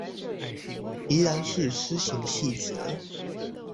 宜蘭市施行細則